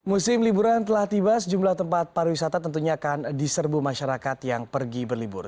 musim liburan telah tiba sejumlah tempat pariwisata tentunya akan diserbu masyarakat yang pergi berlibur